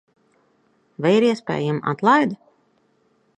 Vai ir iespējama atlaide?